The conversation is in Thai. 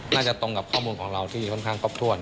ตรงกับข้อมูลของเราที่ค่อนข้างครบถ้วน